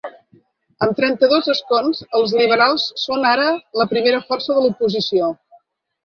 Amb trenta-dos escons, els liberals són ara la primera força de l’oposició.